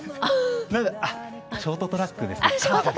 ショートトラックですね。